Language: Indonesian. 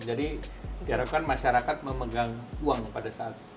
jadi diharapkan masyarakat memegang uang pada saat